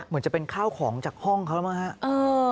เหมือนจะเป็นข้าวของจากห้องเขาหรือเปล่าครับ